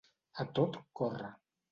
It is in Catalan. A tot córrer.